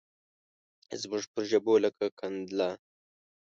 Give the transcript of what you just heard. زموږ پر ژبو لکه قند لا